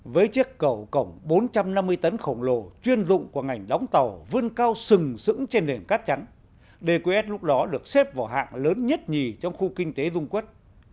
với chiếc cầu cổng bốn trăm năm mươi tấn khổng lồ chuyên dụng của ngành đóng tàu vươn cao sừng sững trên nền cát trắng dqs lúc đó được xếp vào hạng lớn nhất nhì trong khu kinh tế dung quốc